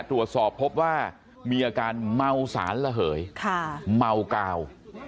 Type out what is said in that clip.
ตรวจสอบพบว่ามีอาการเมาสารระเหยเมากาว